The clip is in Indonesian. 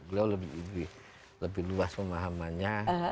beliau lebih luas pemahamannya